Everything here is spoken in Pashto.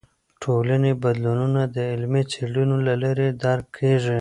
ټولنې بدلونونه د علمي څیړنو له لارې درک کیږي.